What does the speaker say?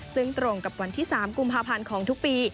ซึ่งตรงกับวันที่๓กุมภาพันธ์ของทุกปี